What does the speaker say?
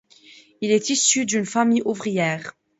Il est issu d’une famille ouvrière.